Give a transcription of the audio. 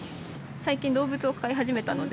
最近動物を飼い始めたので。